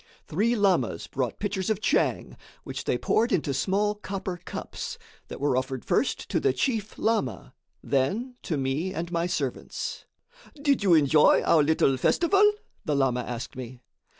Three lamas brought pitchers of tchang, which they poured into small copper cups, that were offered first to the chief lama, then to me and my servants. "Did you enjoy our little festival?" the lama asked me.